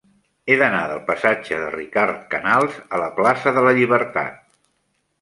He d'anar del passatge de Ricard Canals a la plaça de la Llibertat.